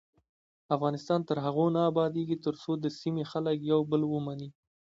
افغانستان تر هغو نه ابادیږي، ترڅو د سیمې خلک یو بل ومني.